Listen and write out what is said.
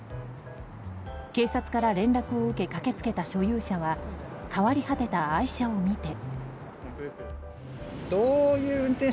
警察から連絡を受け駆け付けた所有者は変わり果てた愛車を見て。